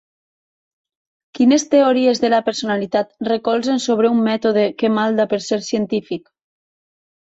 Quines teories de la personalitat recolzen sobre un mètode que malda per ser científic?